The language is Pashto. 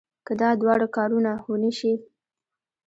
که دا دواړه کارونه ونه شي.